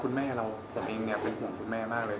แม่เราผมเองเนี่ยเป็นห่วงคุณแม่มากเลย